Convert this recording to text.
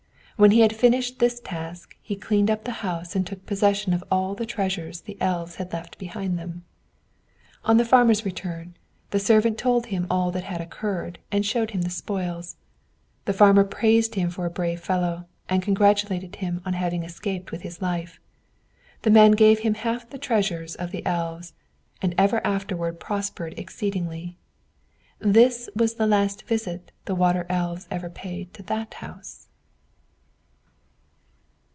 When he had finished this task, he cleaned up the house and took possession of all the treasures the elves had left behind them. On the farmer's return, his servant told him all that had occurred, and showed him the spoils. The farmer praised him for a brave fellow, and congratulated him on having escaped with his life. The man gave him half the treasures of the elves, and ever afterward prospered exceedingly. This was the last visit the water elves ever paid to that house.